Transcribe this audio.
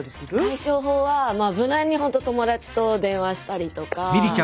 解消法はまあ無難にほんと友達と電話したりとか。